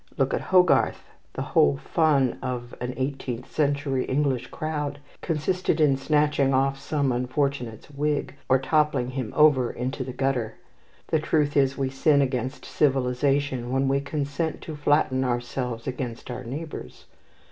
Look at Hogarth. The whole fun of an eighteenth century English crowd consisted in snatching off some unfortunate's wig, or toppling him over into the gutter. The truth is we sin against civilization when we consent to flatten ourselves against our neighbours.